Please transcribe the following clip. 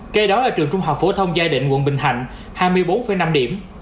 kê đó là trường trung học phổ thông giai định quận bình thạnh hai mươi bốn năm điểm